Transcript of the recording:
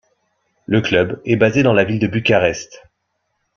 Le club est basé dans la ville de Bucarest.